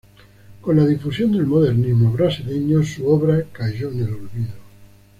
Con la difusión del modernismo brasileño, su obra cayó en el olvido.